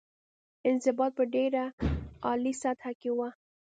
انضباط په ډېره عالي سطح کې وه.